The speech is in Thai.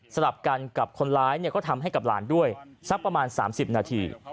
ลับกันกับคนร้ายก็ทำให้กับหลานด้วยสักประมาณ๓๐นาที